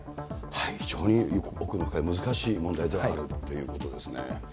非常に奥の深い、難しい問題ではあるということですね。